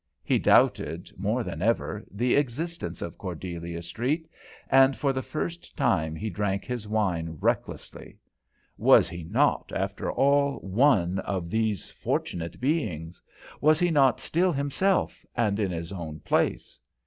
He doubted, more than ever, the existence of Cordelia Street, and for the first time he drank his wine recklessly. Was he not, after all, one of these fortunate beings? Was he not still himself, and in his own place?